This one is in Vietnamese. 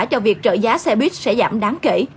cho việc trợ giá xe buýt sẽ giảm đáng kể